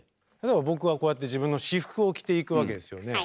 僕はこうやって自分の私服を着ていくわけですよね。